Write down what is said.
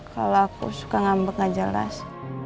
kalau aku suka ngambek nggak jelas